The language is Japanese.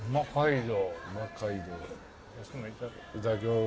いただきます。